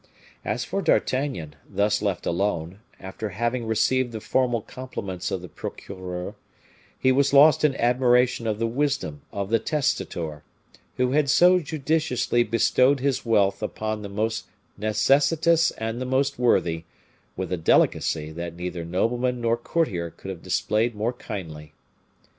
As for D'Artagnan, thus left alone, after having received the formal compliments of the procureur, he was lost in admiration of the wisdom of the testator, who had so judiciously bestowed his wealth upon the most necessitous and the most worthy, with a delicacy that neither nobleman nor courtier could have displayed more kindly.